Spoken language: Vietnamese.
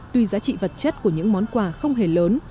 tuy giá trị vật chất của những món quà không hề lớn